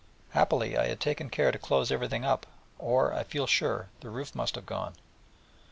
Happily I had taken care to close up everything, or, I feel sure, the roof must have gone.